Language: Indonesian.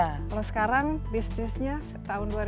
kalau sekarang bisnisnya tahun dua ribu sembilan belas